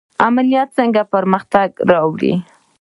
امنیت څنګه پرمختګ راوړي؟